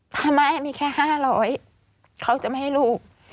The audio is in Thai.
ถ้าแม่มีแค่๕๐๐เขาจะไม่ให้ลูก